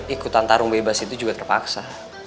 ikutan tarung bebas itu juga terpaksa